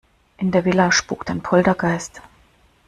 In der Villa spukt ein Poltergeist.